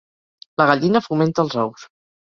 La gallina fomenta els ous.